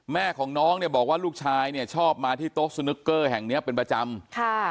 แม่ของน้องบอกว่าลูกชายชอบมาที่โต๊ะสนุกเกอร์แห่งเนี้ยเป็นประจำ